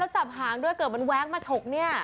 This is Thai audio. จับหางด้วยเกิดมันแว้งมาฉกเนี่ย